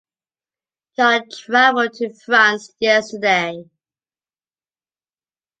John travelled to France yesterday.